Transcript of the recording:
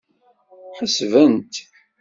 Ḥesbent.